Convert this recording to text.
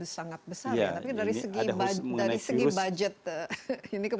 sangat besar tapi dari segi budget ini